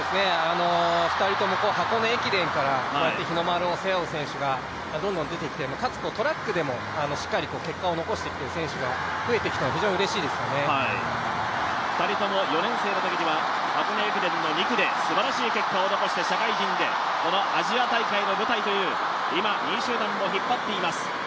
２人とも箱根駅伝からこうやって日の丸を背負う選手がどんどん出てきて、かつトラックでもしっかり結果を残してくる選手が増えてきて２人とも４年生のときには箱根駅伝の２区ですばらしい結果を残して、社会人でこのアジア大会の舞台という、今２位集団を引っ張っています。